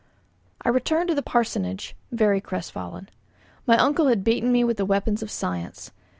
I returned to the parsonage, very crestfallen. My uncle had beaten me with the weapons of science.